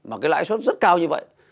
mà cái lãi suất rất cao như vậy